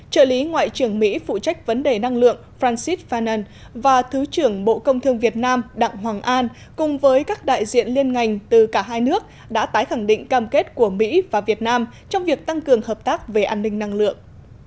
trợ lý ngoại trưởng mỹ phụ trách vấn đề năng lượng francis fann và thứ trưởng bộ công thương việt nam đặng hoàng an cùng với các đại diện liên ngành từ cả hai nước đã tái khẳng định cam kết của mỹ và việt nam trong việc tăng cường hợp tác về an ninh năng lượng